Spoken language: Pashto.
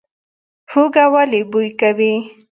هوږه ولې بوی کوي؟